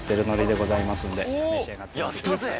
おやったぜ！